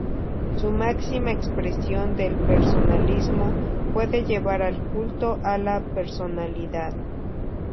En su máxima expresión el personalismo puede llevar al culto a la personalidad.